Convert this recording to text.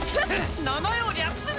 名前を略すな！